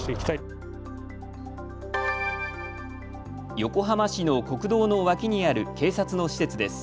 横浜市の国道の脇にある警察の施設です。